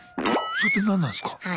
それって何なんすか？